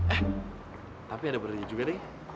eh tapi ada berhenti juga deh